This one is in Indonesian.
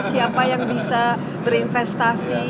siapa yang bisa berinvestasi